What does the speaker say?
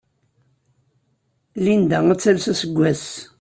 Linda ad tales aseggas!